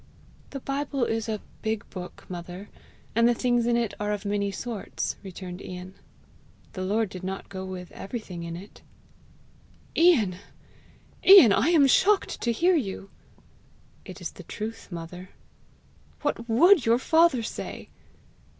"The Bible is a big book, mother, and the things in it are of many sorts," returned Ian. "The Lord did not go with every thing in it." "Ian! Ian! I am shocked to hear you!" "It is the truth, mother." "What WOULD your father say!"